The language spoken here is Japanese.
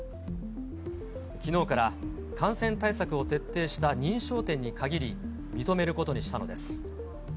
きのうから感染対策を徹底した認証店に限り、認めることにしたのです。